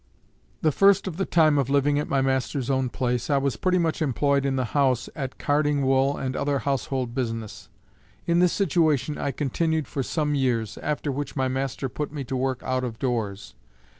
The first of the time of living at my master's own place, I was pretty much employed in the house at carding wool and other household business. In this situation I continued for some years, after which my master put me to work out of doors.